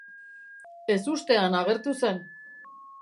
Ezustean agertu zen.